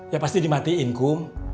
ya pasti dimatiin kung